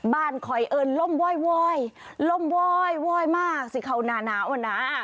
บ้านคอยเอิญล่มว่อยล่มว่อยมากสิเขาหนาว่ะน่ะ